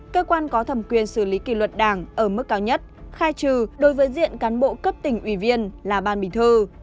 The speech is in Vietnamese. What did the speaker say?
cơ quan có thẩm quyền xử lý kỷ luật đảng ở mức cao nhất khai trừ đối với diện cán bộ cấp tỉnh ủy viên là ban bình thư